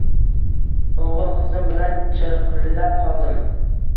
O`g`il-qizim bilan chirqillab qoldim